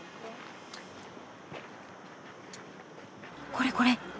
これこれ。